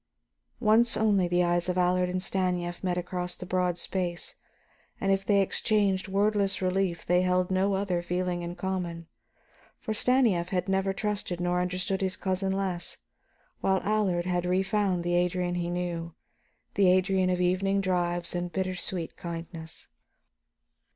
Once only the eyes of Allard and Stanief met across the broad space, and if they exchanged wordless relief, they held no other feeling in common, for Stanief had never trusted nor understood his cousin less, while Allard had refound the Adrian he knew the Adrian of evening drives and bitter sweet kindness.